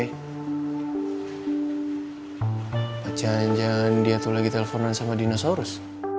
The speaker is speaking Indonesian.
apa jangan jangan dia tuh lagi telponan sama dinosaurus